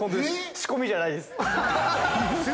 仕込みじゃないです。